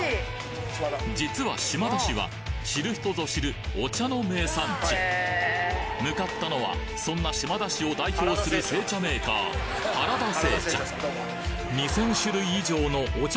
実は島田市は知る人ぞ知るお茶の名産地向かったのはそんな島田市を代表する製茶メーカー２０００種類以上のお茶